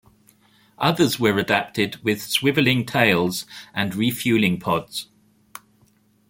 Others were adapted with swiveling tails and refueling pods.